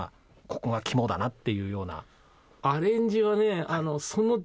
ここが肝だなっていうような。